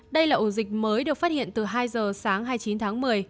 đây là ổ dịch mới được phát hiện từ hai giờ sáng hai mươi chín tháng một mươi